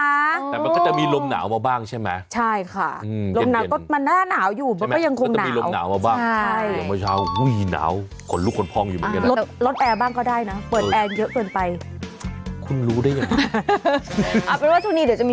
มันก็จะมีลมหนาวมาบ้างใช่ไหม